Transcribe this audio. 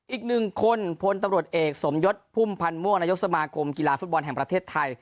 อีกหนึ่งคนพลตำรวจเอกสมยศพุ่มพันธ์ม่วงนายกสมาคมกีฬาฟุตบอลแห่งประเทศไทย